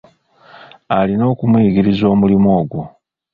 Alina okumuyigiriza omirimu ogwo.